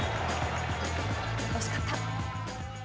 惜しかった。